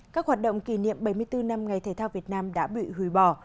các hoạt động kỷ niệm bảy mươi bốn năm ngày thể thao việt nam đã bị hủy bỏ